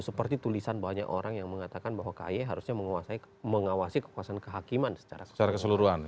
seperti tulisan banyak orang yang mengatakan bahwa kaye harusnya mengawasi kekuasaan kehakiman secara keseluruhan